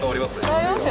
触ります。